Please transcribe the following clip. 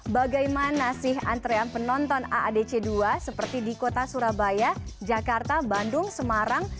bagaimana sih antrean penonton aadc dua seperti di kota surabaya jakarta bandung semarang